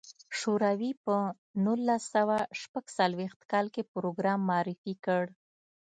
شوروي په نولس سوه شپږ څلوېښت کال کې پروګرام معرفي کړ.